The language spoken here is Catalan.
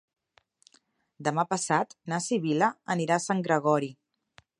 Demà passat na Sibil·la anirà a Sant Gregori.